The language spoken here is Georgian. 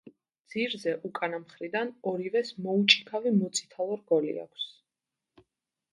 ძირზე უკანა მხრიდან ორივეს მოუჭიქავი მოწითალო რგოლი აქვს.